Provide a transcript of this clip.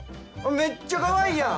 めっちゃかわいいやん！